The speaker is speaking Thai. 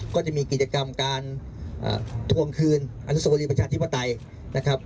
ก็จะมีกิจกรรมการทวงคืนอนุสวรีประชาธิปไตยนะครับ